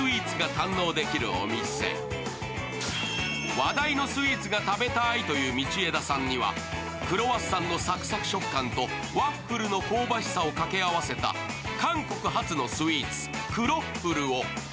話題のスイーツが食べたいという道枝さんにはクロワッサンのサクサク食感とワッフルの香ばしさを掛け合わせた韓国発のスイーツ、クロッフルを。